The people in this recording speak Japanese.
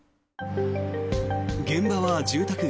現場は住宅街。